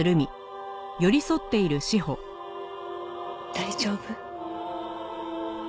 大丈夫？